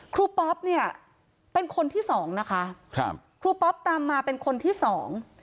ป๊อปเนี่ยเป็นคนที่สองนะคะครับครูปอ๊อปตามมาเป็นคนที่สอง